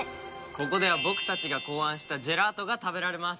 ここでは僕たちが考案したジェラートが食べられます。